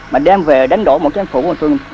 mà đang về đánh đổ một chính phủ